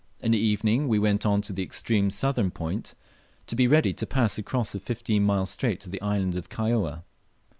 In the evening we went on to the extreme southern point, to be ready to pass across the fifteen mile strait to the island of Kaióa.